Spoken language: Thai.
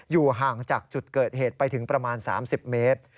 อยู่ห่างจากจุดเกิดเหตุไปถึงประมาณ๓๐เมตร